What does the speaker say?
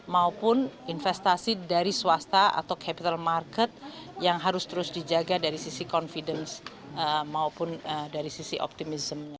maupun investasi dari swasta atau capital market yang harus terus dijaga dari sisi confidence maupun dari sisi optimism